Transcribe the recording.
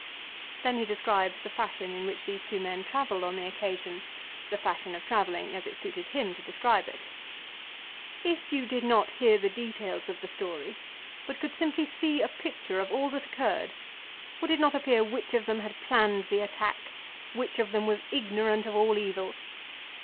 2 Then he describes the fashion in which these two men travelled on the occasion, the fashion of travelling as it suited him to describe it. " If you did not hear the details of the story, but could see simply a picture of all that occurred, would it not appear which of them had planned the attack, which of them was ignorant of all evil